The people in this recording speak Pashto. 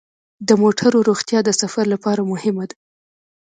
د موټرو روغتیا د سفر لپاره مهمه ده.